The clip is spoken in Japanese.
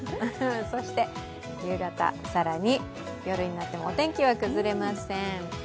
そして夕方、更に夜になっても、お天気は崩れません。